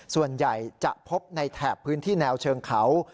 ส่วนใหญ่จะพบในแถบพื้นที่แนวเชิงเขา